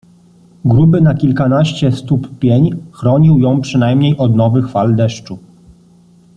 Gruby na kilkanaście stóp pień chronił ją przynajmniej od nowych fal deszczu.